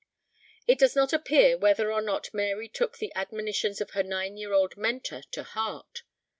It does not appear whether or not Mary took the admonitions of her nine year old Mentor to heart.